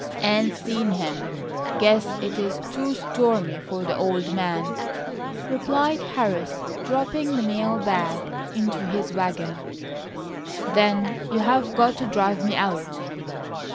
"Ain't seen him. Guess it's too stormy for the old man," Harris replied dropping the mail bag into his wagon. "Then you've got to drive me out."